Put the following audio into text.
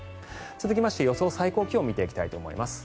続きまして、予想最高気温を見ていきたいと思います。